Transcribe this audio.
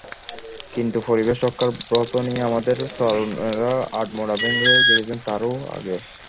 কিন্তু পরিবেশ রক্ষার ব্রত নিয়ে আমাদের তরুণেরা আড়মোড়া ভেঙে জেগেছেন তারও আগে।